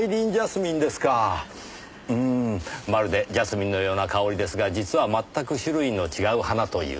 うーんまるでジャスミンのような香りですが実は全く種類の違う花という。